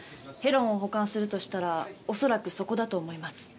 ヘロンを保管するとしたら恐らくそこだと思います。